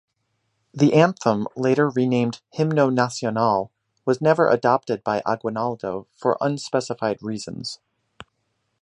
The anthem, later renamed "Himno Nacional", was never adopted by Aguinaldo for unspecified reasons.